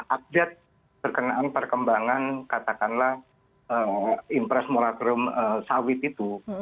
update terkena perkembangan katakanlah impress moratorium sawit itu